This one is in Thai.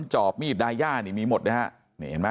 จอบมีดได้ย่ามีหมดนะฮะ